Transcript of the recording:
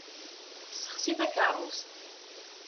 Tessexsi takerrust.